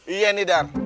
iya nih dar